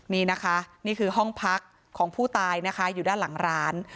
นี่นะคะนี่คือห้องพักของผู้ตายนะคะอยู่ด้านหลังร้าน